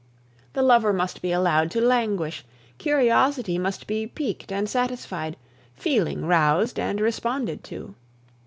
The lover must be allowed to languish, curiosity must be piqued and satisfied, feeling roused and responded to.